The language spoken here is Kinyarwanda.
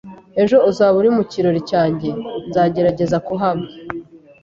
"Ejo uzaba uri mu kirori cyanjye?" "Nzagerageza kuhaba."